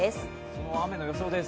その雨の予想です。